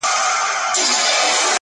لا پسې یاغي شوم